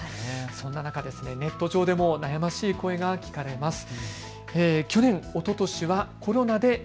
そんな中ネット上でも悩ましい声が聞かれます。